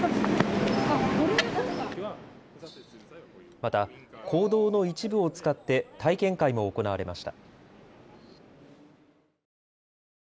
また公道の一部を使って体験会も行われました。